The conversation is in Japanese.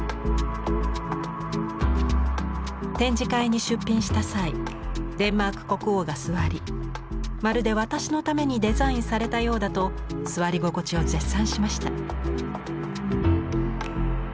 展示会に出品した際デンマーク国王が座り「まるで私のためにデザインされたようだ」と座り心地を絶賛しました。